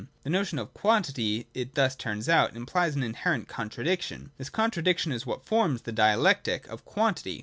The notion of quantity, it thus turns out, implies an inherent contradiction. This contradiction is what forms the dialectic of quantity.